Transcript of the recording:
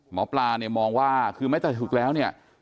หมอปลามองว่าคือไม่ได้ถึกแล้วเนี่ย